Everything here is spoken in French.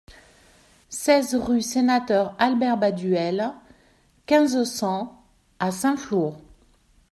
seize rue Sénateur Albert Baduel, quinze, cent à Saint-Flour